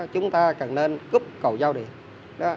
chúng ta cần nên cúp cầu giao điện